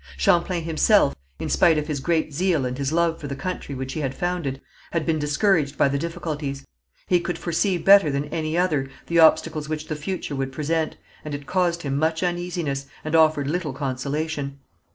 Champlain himself, in spite of his great zeal and his love for the country which he had founded, had been discouraged by the difficulties. He could foresee better than any other the obstacles which the future would present, and it caused him much uneasiness, and offered little consolation.